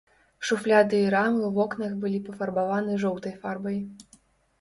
Шуфляды і рамы ў вокнах былі пафарбаваны жоўтай фарбай.